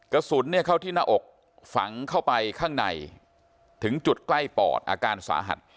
กระสุนเข้าที่หน้าอกฝังเข้าไปข้างในถึงจุดใกล้ปอดอาการสาหัส